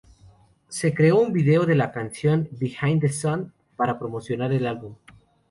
Se creó un vídeo de la canción ""Behind The Sun"" para promocionar el álbum.